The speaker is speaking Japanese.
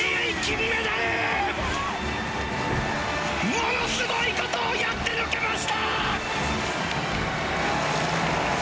ものすごいことをやってのけました！